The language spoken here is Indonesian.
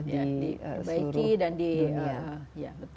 di seluruh dunia